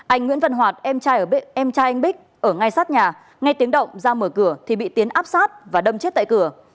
anh nguyễn văn hoạt em trai em trai anh bích ở ngay sát nhà ngay tiếng động ra mở cửa thì bị tiến áp sát và đâm chết tại cửa